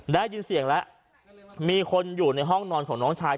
ได้ยินเสียงแล้วมีคนอยู่ในห้องนอนของน้องชาย